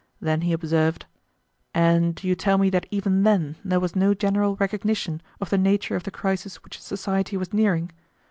Then he observed, "And you tell me that even then there was no general recognition of the nature of the crisis which society was nearing?